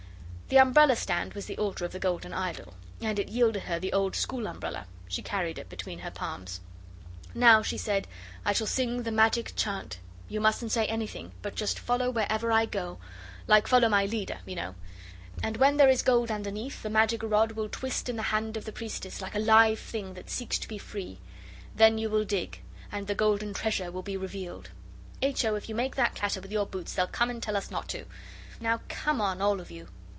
The umbrella stand was the altar of the golden idol, and it yielded her the old school umbrella. She carried it between her palms. 'Now,' she said, 'I shall sing the magic chant. You mustn't say anything, but just follow wherever I go like follow my leader, you know and when there is gold underneath the magic rod will twist in the hand of the priestess like a live thing that seeks to be free. Then you will dig, and the golden treasure will be revealed. H. O., if you make that clatter with your boots they'll come and tell us not to. Now come on all of you.